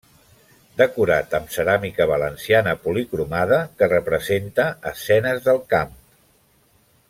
Decorat amb ceràmica Valenciana policromada que representa escenes del camp.